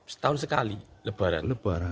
setahun sekali lebaran